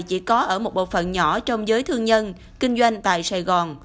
chỉ có ở một bộ phận nhỏ trong giới thương nhân kinh doanh tại sài gòn